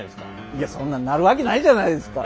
いやそんなんなるわけないじゃないですか。